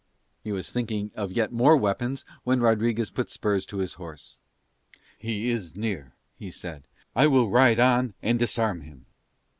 He was thinking of yet more weapons when Rodriguez put spurs to his horse. "He is near," he said; "I will ride on and disarm him."